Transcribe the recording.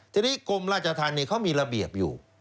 ทีนี้กรมราชธรรมเขามีระเบียบอยู่